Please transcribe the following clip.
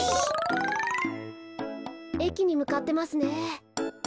えきにむかってますね。